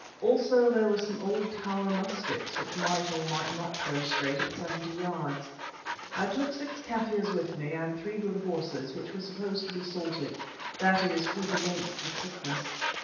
Also there were some old tower muskets, which might or might not throw straight at seventy yards. I took six Kaffirs with me, and three good horses, which were supposed to be salted—that is, proof against the sickness.